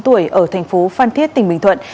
bốn mươi chín tuổi ở thành phố phan thiết tỉnh bình thuận